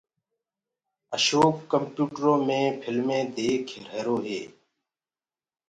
اشوڪ ڪمپيوٽرو مي ڦلمينٚ ديک ريهرو هي